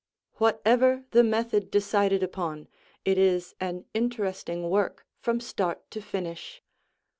Whatever the method decided upon, it is an interesting work from start to finish.